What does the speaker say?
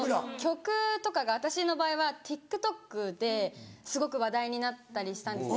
曲とかが私の場合はＴｉｋＴｏｋですごく話題になったりしたんですよ。